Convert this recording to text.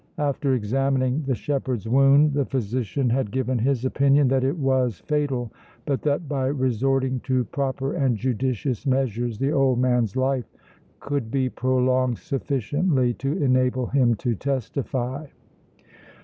After examining the shepherd's wound the physician had given his opinion that it was fatal, but that by resorting to proper and judicious measures the old man's life could be prolonged sufficiently to enable him to testify.